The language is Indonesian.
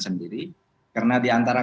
sendiri karena diantara